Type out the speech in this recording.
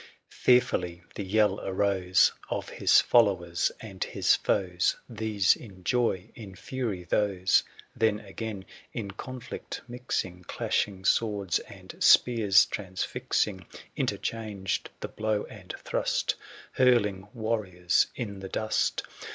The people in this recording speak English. Fearfully the yell arose Of his followers, and his foes ; These in joy, in fury those : Then again in conflict mixmg, ^55 Clashing swords, and spears transfixing. Interchanged the blow and thrust. Hurling warriors in the dust.